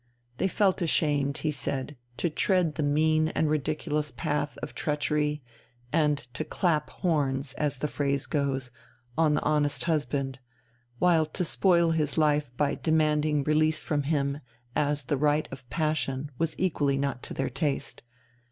They felt ashamed, he said, to tread the mean and ridiculous path of treachery, and to "clap horns," as the phrase goes, on the honest husband; while to spoil his life by demanding release from him as the right of passion was equally not to their taste.